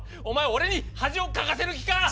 お前俺に恥をかかせる気か！？